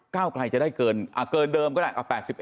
ก้าวกลายจะได้เกินเกินเดิมก็ได้